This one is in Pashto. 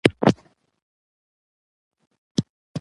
هیله کوم! ارام وغږیږه!